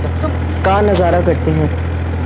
کا نظارہ کرتے ہیں